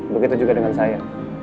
begitu juga dengan saya